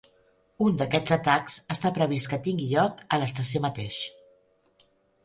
Un d'aquests atacs està previst que tingui lloc a l'estació mateix.